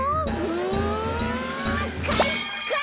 うんかいか！